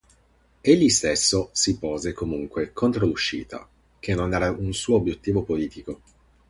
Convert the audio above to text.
Egli stesso si pose comunque contro l'uscita, che non era un suo obiettivo politico.